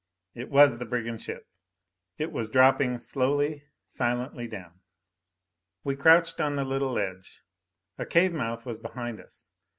It was the brigand ship. It was dropping slowly, silently down. We crouched on the little ledge. A cave mouth was behind us.